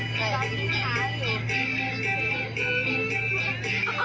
ร้านที่มันขายให้อยู่